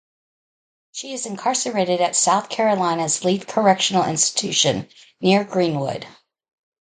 She is incarcerated at South Carolina's Leath Correctional Institution, near Greenwood.